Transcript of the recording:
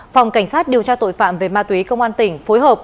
phòng cảnh sát điều tra tội phạm về ma túy công an tỉnh phối hợp